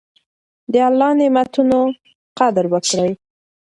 د الله نعمتونو قدر وکړئ.